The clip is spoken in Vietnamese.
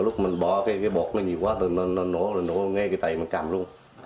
lúc mình bỏ cái bột nó nhiều quá tự nó nổ nó nổ ngay cái tay mình cầm luôn